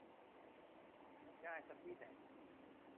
ง่ายซะที่ไหน